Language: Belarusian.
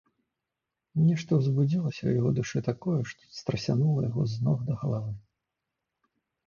Нешта ўзбудзілася ў яго душы такое, што страсянула яго з ног да галавы.